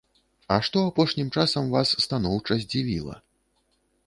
А што апошнім часам вас станоўча здзівіла?